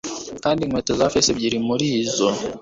kandi inkweto za feza, ebyiri muri zo